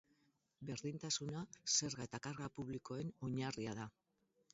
Berdintasuna, zerga eta karga publikoen oinarria da.